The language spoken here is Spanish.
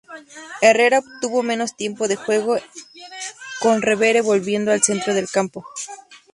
Herrera obtuvo menos tiempo de juego, con Revere volviendo al centro del campo.